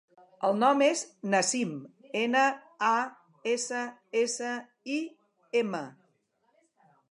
El nom és Nassim: ena, a, essa, essa, i, ema.